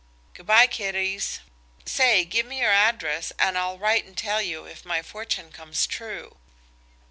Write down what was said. Goodbye, kiddies. Stay, give me your address, and I'll write and tell you if my fortune comes true."